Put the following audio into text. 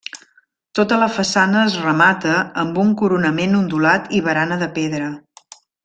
Tota la façana es remata amb un coronament ondulat i barana de pedra.